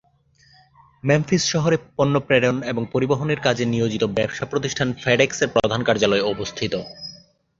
Memphis শহরে পণ্য প্রেরণ ও পরিবহনের কাজে নিয়োজিত ব্যবসা প্রতিষ্ঠান ফেডেক্স-এর প্রধান কার্যালয় অবস্থিত।